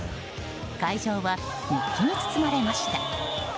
会場は熱気に包まれました。